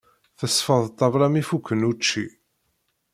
Tesfeḍ ṭabla mi fukken učči.